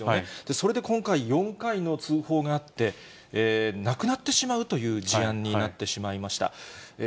それで今回、４回の通報があって、亡くなってしまうという事案になってしまいました。